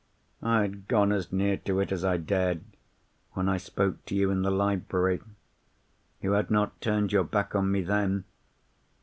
I had gone as near to it as I dared when I spoke to you in the library. You had not turned your back on me then.